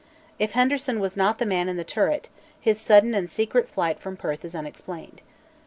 If Henderson was not the man in the turret, his sudden and secret flight from Perth is unexplained.